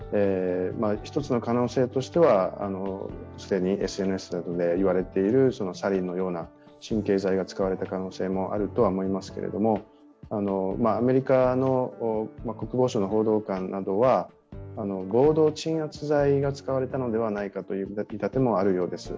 一つの可能性としては既にＳＮＳなどでいわれているサリンのような神経剤が使われた可能性もあると思いますけどもアメリカの国防省の報道官などは合同鎮圧剤が使われたのではないかという見立てもあります。